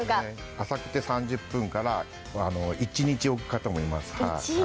浅くて３０分から一日置く方もいます。